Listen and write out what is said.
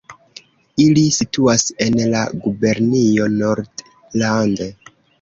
Ili situas en la gubernio Nordland.